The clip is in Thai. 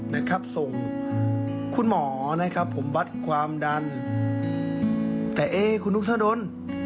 นะครับส่งคุณหมอนะครับผมวัดความดันแต่เอ๊คุณนุกทะดน